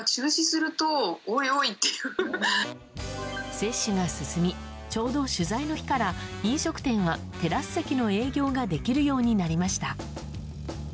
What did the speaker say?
接種が進みちょうど取材の日から飲食店はテラス席の営業ができるようになりました。